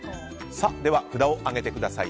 札を上げてください。